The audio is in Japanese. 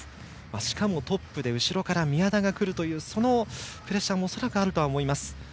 しかもトップで後ろから宮田が来るというそのプレッシャーも恐らくあると思います。